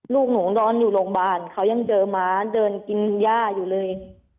ลูกหนูนอนอยู่โรงพยาบาลเขายังเจอม้าเดินกินย่าอยู่เลย